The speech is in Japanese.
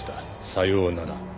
「さようなら」